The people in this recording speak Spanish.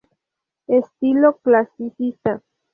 Estilo: Clasicista.